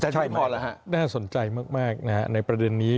ใช่มั้ยน่าสนใจมากในประเด็นนี้